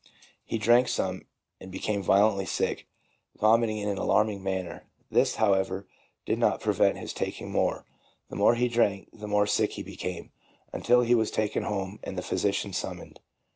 He drank some and became violently sick, vomiting in an HYPNOTISM AND OTHER CURES. 33 1 alarming manner. This, however, did not prevent his taking more. The more he drank, the more sick he became, until he was taken home and the physician summoned.